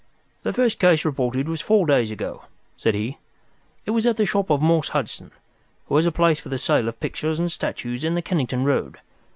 "The first case reported was four days ago," said he. "It was at the shop of Morse Hudson, who has a place for the sale of pictures and statues in the Kennington Road.